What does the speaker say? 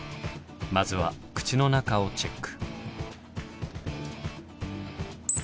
まずは口の中をチェック。